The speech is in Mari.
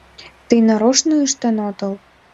— Тый нарочно ыштен отыл?